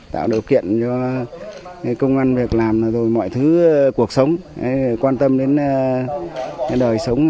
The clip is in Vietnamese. tạo điều kiện cho công an việc làm rồi mọi thứ cuộc sống quan tâm đến đời sống